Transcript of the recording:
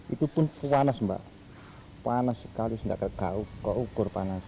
itu pun panas mbak panas sekali tidak keukur panas